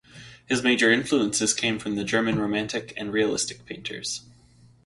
His major influences came from the German Romantic and Realistic painters.